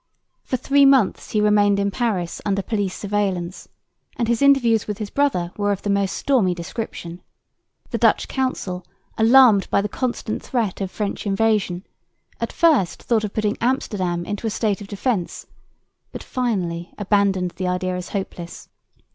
For three months he remained in Paris under police surveillance; and his interviews with his brother were of the most stormy description. The Dutch Council, alarmed by the constant threat of French invasion, at first thought of putting Amsterdam into a state of defence, but finally abandoned the idea as hopeless.